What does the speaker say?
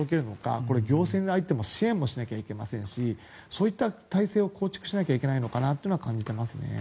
これ、行政も入って支援もしなければいけませんしそういった体制を構築しなきゃいけないのかなとは感じていますね。